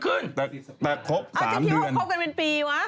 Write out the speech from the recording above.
เอาจริงครบกันเป็นปีวะ